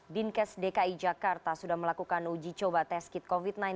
dinkes dki jakarta sudah melakukan uji coba test kit covid sembilan belas